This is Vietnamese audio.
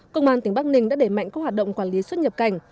công an tỉnh bắc ninh đã để mạnh các hoạt động quản lý xuất nhập cảnh